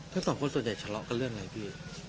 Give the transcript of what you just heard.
ทั้งสองคนส่วนใหญ่ทะเลาะกันเรื่องอะไรพี่